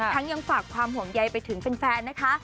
ยังฝากความห่วงใยไปถึงแฟนนะคะ